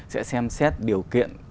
sẽ xem xét điều kiện